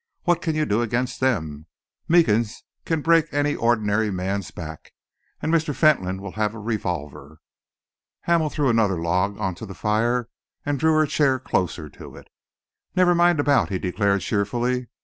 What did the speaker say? What can you do against them? Meekins can break any ordinary man's back, and Mr. Fentolin will have a revolver." Hamel threw another log on to the fire and drew her chair closer to it. "Never mind about," he declared cheerfully.